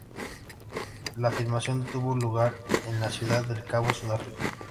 La filmación tuvo lugar en la Ciudad del Cabo, Sudáfrica.